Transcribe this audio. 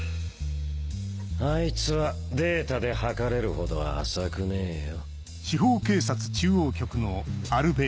あいつはデータで測れるほど浅くねえよ。